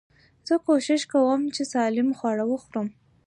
زه کوشش کوم، چي سالم خواړه وخورم.